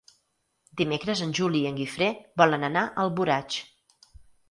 Dimecres en Juli i en Guifré volen anar a Alboraig.